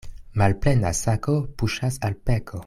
Malplena sako puŝas al peko.